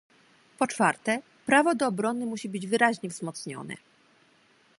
Po czwarte, prawo do obrony musi być wyraźnie wzmocnione